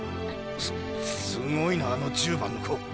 すすごいなあの１０番の子。